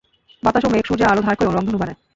বাতাস ও মেঘ সূর্যের আলো ধার করে রংধনু বানায়।